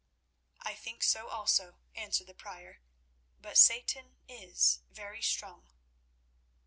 "I think so also," answered the Prior; "but Satan is very strong."